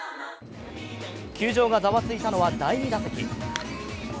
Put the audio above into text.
球場がざわついたのは第２打席。